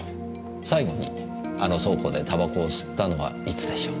最後にあの倉庫で煙草を吸ったのはいつでしょう？